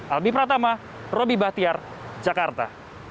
albi pratama robby bahtiar jakarta